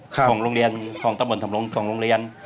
ของโรงเรียนของตะบนสำรงของโรงเรียน